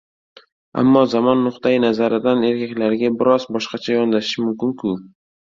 Ammo zamon nuqtai nazaridan ertaklarga biroz boshqacha yondashish mumkin-ku.